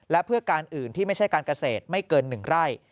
และเพื่อการอื่นที่ไม่ใช่การเกษตรไม่เกิน๑ไร่